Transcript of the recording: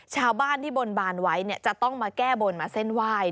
ชาวบ้านที่บนบานไว้จะต้องมาแก้บนมาเส้นไหว้